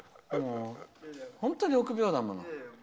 本当に臆病だもの。